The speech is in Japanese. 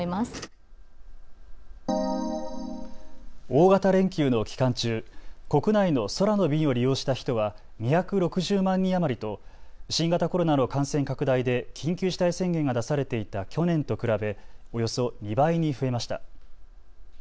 大型連休の期間中、国内の空の便を利用した人は２６０万人余りと新型コロナの感染拡大で緊急事態宣言が出されていた去年と比べおよそ２倍に増えました。